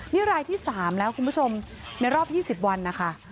นี่รายที่๓แล้วคุณผู้ชมในรอบ๒๐วันนะคะ